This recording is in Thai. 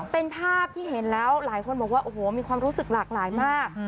เป็นภาพที่เห็นแล้วหลายคนบอกว่าโอ้โหมีความรู้สึกหลากหลายมาก